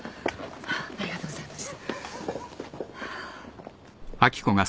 ありがとうございます。